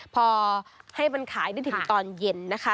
พอให้มันขายได้ถึงตอนเย็นนะคะ